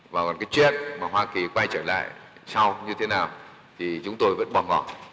và còn cái chuyến mà hoa kỳ quay trở lại sau như thế nào thì chúng tôi vẫn bỏ ngọt